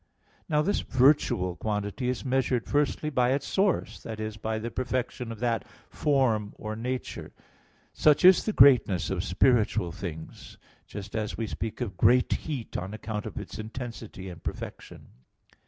Now this virtual quantity is measured firstly by its source that is, by the perfection of that form or nature: such is the greatness of spiritual things, just as we speak of great heat on account of its intensity and perfection.